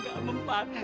gak mempan gak mempan